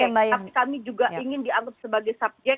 tapi kami juga ingin dianggap sebagai subjek